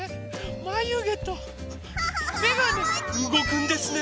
まゆげとめがねうごくんですね。